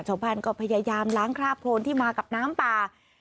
ชาวบ้านก็พยายามล้างคราบโครนที่มากับน้ำป่า